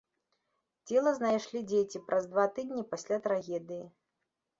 Цела знайшлі дзеці праз два тыдні пасля трагедыі.